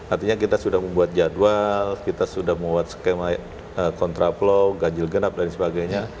artinya kita sudah membuat jadwal kita sudah membuat skema kontraflow ganjil genap dan sebagainya